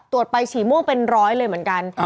ตรวจไปฉี่ม่วงเป็นร้อยเลยเหมือนกัน